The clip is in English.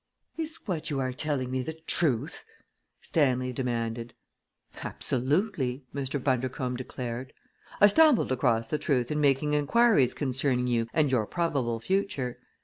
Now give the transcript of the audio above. "Is what you are telling me the truth?" Stanley demanded. "Absolutely!" Mr. Bundercombe declared. "I stumbled across the truth in making inquiries concerning you and your probable future.